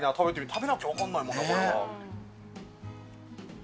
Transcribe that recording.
食べなきゃ分かんないもんな、これは。